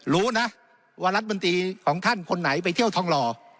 รู้นะว่ารัฐมนตรีของท่านคนไหนไปเที่ยวทองหล่อ